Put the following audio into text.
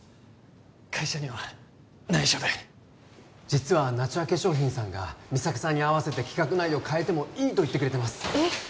会社には内緒で実はナチュラ化粧品さんが三咲さんに合わせて企画内容を変えてもいいと言ってくれてますえっ？